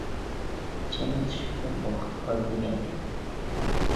چېنىقىش ئۈچۈن ۋاقىت ئاز دېگەندەك.